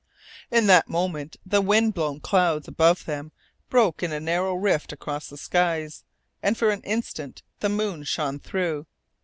In that moment the wind blown clouds above them broke in a narrow rift across the skies, and for an instant the moon shone through.